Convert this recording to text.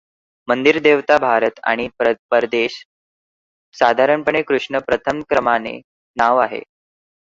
मंदिर देवता भारत आणि परदेश साधारणपणे कृष्णा प्रथम क्रमाने नाव आहे.